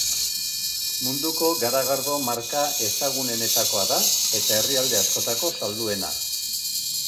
Munduko garagardo marka ezagunenetakoa da eta herrialde askotako salduena.